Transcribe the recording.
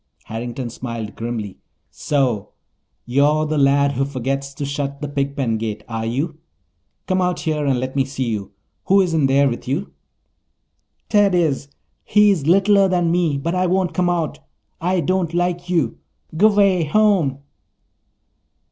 Harrington smiled grimly. "So you're the lad who forgets to shut the pigpen gate, are you? Come out here and let me see you. Who is in there with you?" "Ted is. He's littler than me. But I won't come out. I don't like you. G'way home."